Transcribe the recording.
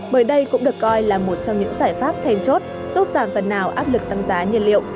bởi đây cũng được coi là một trong những giải pháp thèn chốt giúp giảm phần nào áp lực tăng giá nhiên liệu